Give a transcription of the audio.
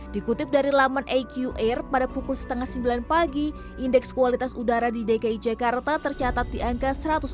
dikutip dari laman aqr pada pukul setengah sembilan pagi indeks kualitas udara di dki jakarta tercatat di angka satu ratus tujuh puluh